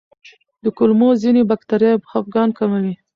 د کولمو ځینې بکتریاوې خپګان کموي.